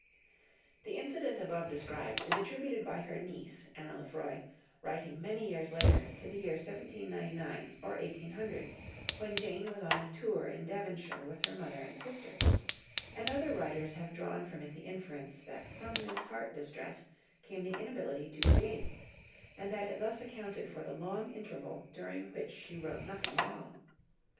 The incident above described is attributed by her niece (Anna Lefroy), writing many years later, to the year 1799 or 1800, when Jane was on a tour in Devonshire with her mother and sister, and other writers have drawn from it the inference that from this heart distress came the inability to create, and that it thus accounted for the long interval during which she wrote nothing at all.